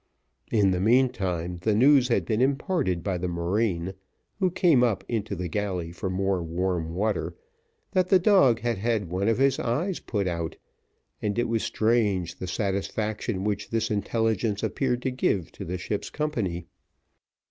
In the meantime, the news had been imparted by the marine, who came up into the galley for more warm water, that the dog had had one of his eyes put out, and it was strange the satisfaction which this intelligence appeared to give to the ship's company.